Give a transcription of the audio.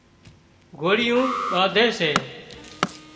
گھوڙيون ٻانڌي سي